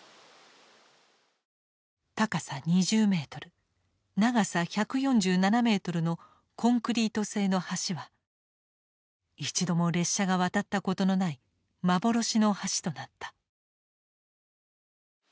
高さ２０メートル長さ１４７メートルのコンクリート製の橋は一度も列車が渡ったことのない「幻の橋」となった。